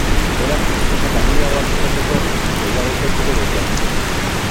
Beraz mozkinak handiagoak izateko, gehiago ikertuko dute.